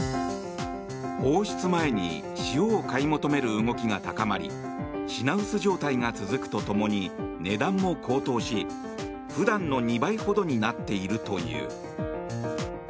放出前に塩を買い求める動きが高まり品薄状態が続くとともに値段も高騰し普段の２倍ほどになっているという。